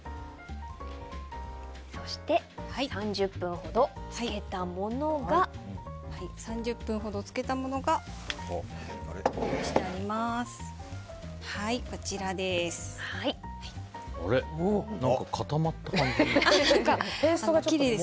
そして３０分ほど漬けたものがこちらです。